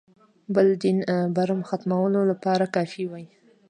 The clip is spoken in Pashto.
بل دین برم ختمولو لپاره کافي وي.